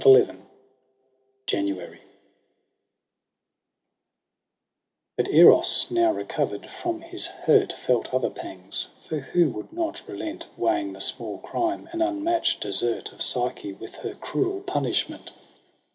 ^""mp" I JANUARY I "DUT Eros now recover'd from his hurt, Felt other pangs ; for who would not relent Weighing the small crime and unmatch'd desert Of Psyche with her cruel punishment